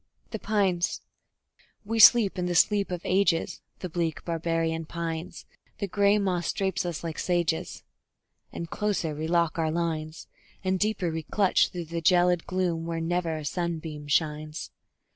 _ The Pines We sleep in the sleep of ages, the bleak, barbarian pines; The gray moss drapes us like sages, and closer we lock our lines, And deeper we clutch through the gelid gloom where never a sunbeam shines.